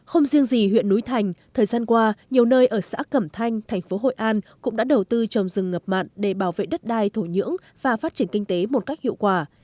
không riêng gì huyện núi thành thời gian qua nhiều nơi ở xã cẩm thanh thành phố hội an cũng đã đầu tư trồng rừng ngập mặn để bảo vệ đất đai thổ nhưỡng và phát triển kinh tế một cách hiệu quả